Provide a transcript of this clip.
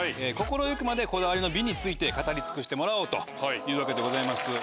心行くまでこだわりの美について語り尽くしてもらおうというわけでございます。